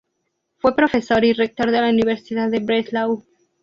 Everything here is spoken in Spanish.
Fue profesor y rector de la Universidad en Breslau.